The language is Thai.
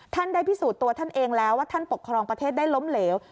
ได้พิสูจน์ตัวท่านเองแล้วว่าท่านปกครองประเทศได้ล้มเหลว